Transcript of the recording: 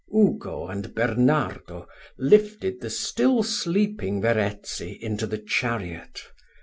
Ugo and Bernardo lifted the still sleeping Verezzi into the chariot.